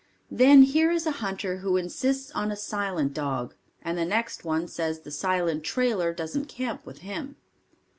Then here is a hunter who insists on a silent dog; and the next one says the silent trailer doesn't camp with him.